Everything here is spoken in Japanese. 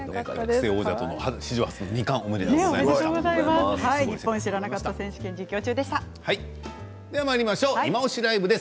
史上初の２冠おめでとうございます。